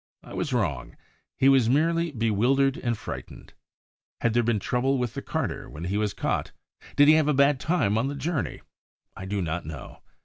I was wrong: he was merely bewildered and frightened. Had there been trouble with the carter when he was caught? Did he have a bad time on the journey? I do not know.